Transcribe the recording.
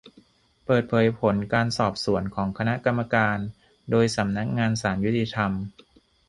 เปิดเผยผลการสอบสวน ของคณะกรรมการโดยสำนักงานศาลยุติธรรม